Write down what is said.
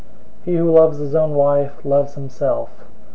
He who loves his own wife loves himself.